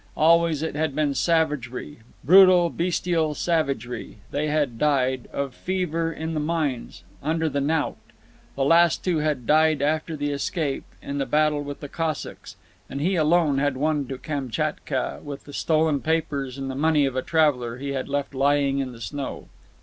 Always it had been savagery—brutal, bestial savagery. They had died—of fever, in the mines, under the knout. The last two had died after the escape, in the battle with the Cossacks, and he alone had won to Kamtchatka with the stolen papers and the money of a traveller he had left lying in the snow.